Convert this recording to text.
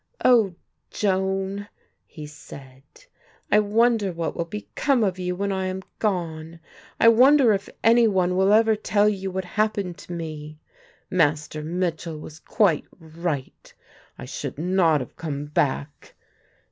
"Oh, Joan," he said, "I wonder what will become of you when I am gone. I wonder if any one will ever tell you what happened to me. Master Mitchell was quite right. I should not have come back.